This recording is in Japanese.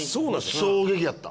衝撃やった。